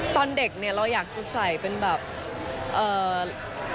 ตอนเด็กเราอยากจะใส่เป็นแบบ